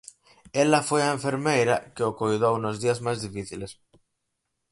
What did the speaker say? Ela foi a enfermeira que o coidou nos días máis difíciles.